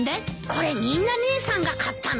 これみんな姉さんが買ったの？